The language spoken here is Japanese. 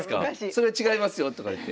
「それ違いますよ」とか言って。